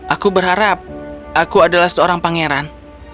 aku berharap aku adalah seorang pangeran